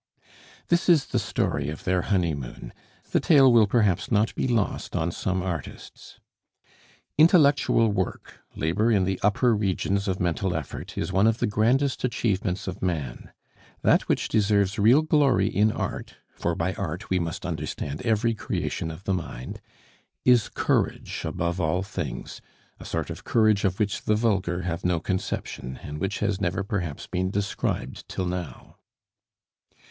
This is the story of their honeymoon the tale will perhaps not be lost on some artists. Intellectual work, labor in the upper regions of mental effort, is one of the grandest achievements of man. That which deserves real glory in Art for by Art we must understand every creation of the mind is courage above all things a sort of courage of which the vulgar have no conception, and which has never perhaps been described till now.